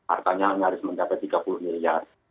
artanya nyaris mencapai tiga puluh miliar